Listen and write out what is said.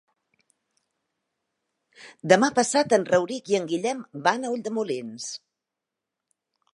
Demà passat en Rauric i en Guillem van a Ulldemolins.